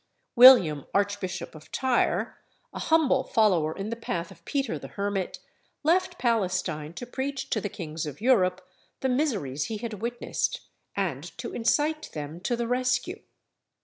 William Archbishop of Tyre, a humble follower in the path of Peter the Hermit, left Palestine to preach to the kings of Europe the miseries he had witnessed, and to incite them to the rescue.